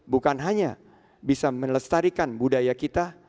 bukan hanya bisa melestarikan budaya kita